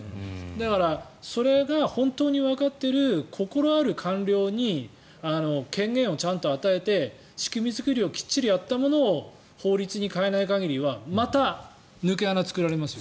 だから、それが本当にわかってる心ある官僚に権限をちゃんと与えて仕組み作りをしっかりやったものを法律に変えない限りはまた抜け穴を作られますよ。